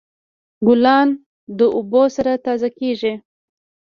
ګلان د اوبو سره تازه کیږي.